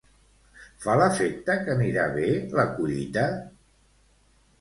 Fa l'efecte que anirà bé la collita?